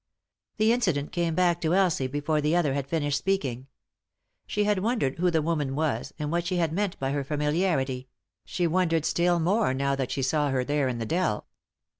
The incident came back to Elsie before the other had finished speaking. She had wondered who the woman was, and what she had meant by her familiarity ; she wondered still more now that she saw her there in the dell.